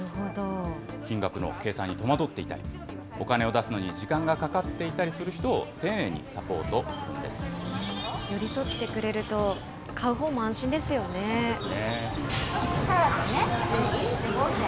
金額の計算に戸惑っていたり、お金を出すのに時間がかかっていたりする人を丁寧にサポートする寄り添ってくれると、買うほうも安心ですよね。